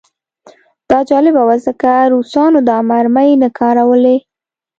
دا جالبه وه ځکه روسانو دا مرمۍ نه کارولې